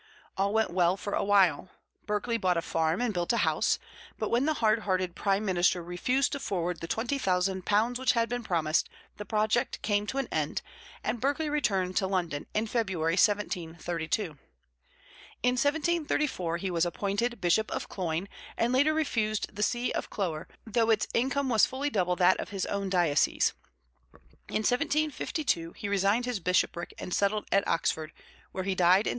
All went well for a while: Berkeley bought a farm and built a house; but when the hard hearted prime minister refused to forward the £20,000 which had been promised, the project came to an end, and Berkeley returned to London in February, 1732. In 1734 he was appointed bishop of Cloyne, and later refused the see of Clogher, though its income was fully double that of his own diocese. In 1752 he resigned his bishopric and settled at Oxford, where he died in 1753.